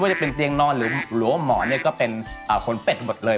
ว่าจะเป็นเตียงนอนหรือหลวมหมอนก็เป็นขนเป็ดหมดเลย